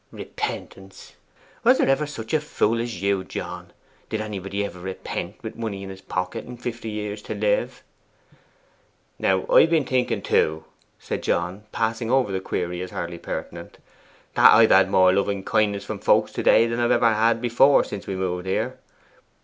'Repentance! was there ever such a fool as you. John? Did anybody ever repent with money in's pocket and fifty years to live?' 'Now, I've been thinking too,' said John, passing over the query as hardly pertinent, 'that I've had more loving kindness from folks to day than I ever have before since we moved here.